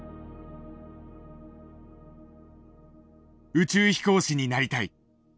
宇宙飛行士になりたい！